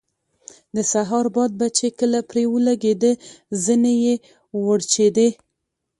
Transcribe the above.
د سهار باد به چې کله پرې ولګېده زنې یې وړچېدې.